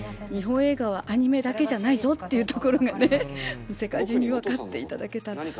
日本映画はアニメだけじゃないぞというところが世界中に分かっていただけたら。